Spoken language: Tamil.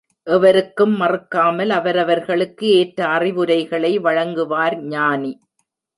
எவருக்கும் மறுக்காமல், அவரவர்களுக்கு ஏற்ற அறிவுரைகளை வழங்குவார்.ஞானி.